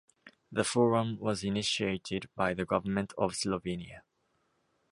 The forum was initiated by the Government of Slovenia.